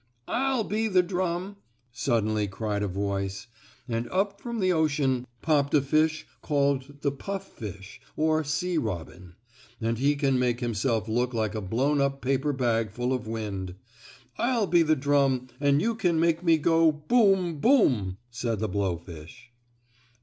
"I'll be the drum," suddenly cried a voice, and up from the ocean popped a fish called the puff fish or sea robin, and he can make himself look like a blown up paper bag full of wind. "I'll be the drum and you can make me go 'Boom! Boom!'" said the blow fish.